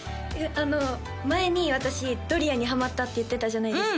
あの前に私ドリアンにはまったって言ってたじゃないですか